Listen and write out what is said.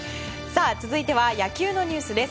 続いては野球のニュースです。